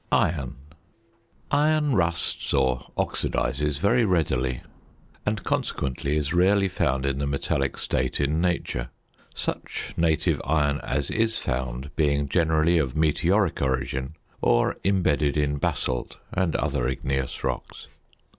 IRON. Iron rusts or oxidises very readily, and, consequently, is rarely found in the metallic state in nature; such native iron as is found being generally of meteoric origin or imbedded in basalt and other igneous rocks.